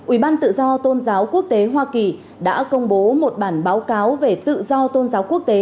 ủy ban tự do tôn giáo quốc tế hoa kỳ đã công bố một bản báo cáo về tự do tôn giáo quốc tế